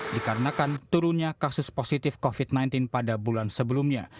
dikarenakan turunnya kasus positif covid sembilan belas pada bulan sebelumnya